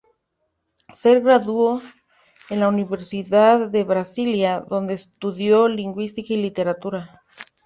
Se graduó de la Universidad de Brasilia, donde estudió lingüística y literatura.